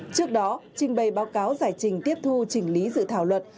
trước đó trình bày báo cáo giải trình tiếp thu chỉnh lý dự thảo luật